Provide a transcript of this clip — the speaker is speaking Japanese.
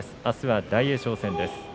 あすは大栄翔戦です。